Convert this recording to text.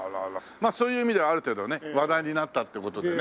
まあそういう意味ではある程度ね話題になったって事でね。